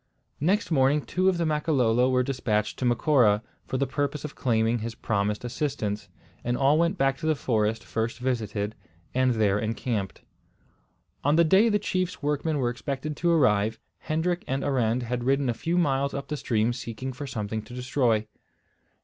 Next morning two of the Makololo were despatched to Macora, for the purpose of claiming his promised assistance; and all went back to the forest first visited, and there encamped. On the day the chief's workmen were expected to arrive, Hendrik and Arend had ridden a few miles up the stream seeking for something to destroy.